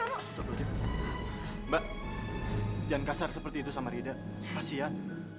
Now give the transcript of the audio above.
sebentar lagi mbak jangan kasar seperti itu sama rida kasian